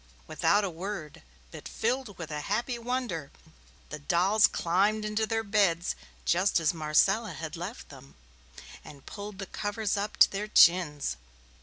Without a word, but filled with a happy wonder, the dolls climbed into their beds, just as Marcella had left them, and pulled the covers up to their chins.